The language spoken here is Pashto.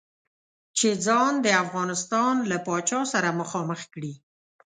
چې ځان د افغانستان له پاچا سره مخامخ کړي.